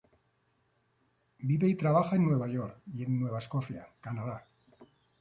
Vive y trabaja en Nueva York y en Nueva Escocia, Canadá.